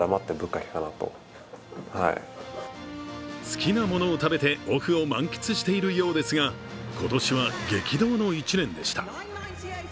好きなものを食べてオフを満喫しているようですが今年は激動の一年でした。